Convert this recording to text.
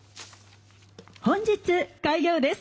本日開業です。